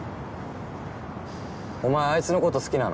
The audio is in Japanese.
お前あいつの事好きなの？